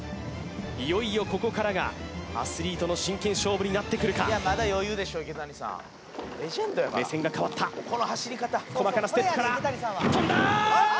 いよいよここからがアスリートの真剣勝負になってくるか目線が変わった細かなステップから跳んだ！